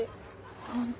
本当。